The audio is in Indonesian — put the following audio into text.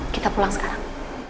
kita pulang sekarang